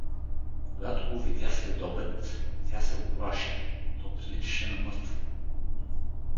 Когато го видя следобед, тя се уплаши: то приличаше на мъртво.